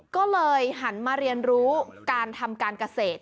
ก็เลยหันมาเรียนรู้การทำการเกษตร